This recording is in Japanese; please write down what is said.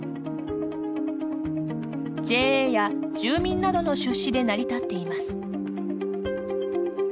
ＪＡや住民などの出資で成り立っています。